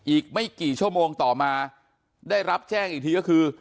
อีกไม่กี่ชั่วโมงต่อมาได้รับแจ้งอีกทีก็คือ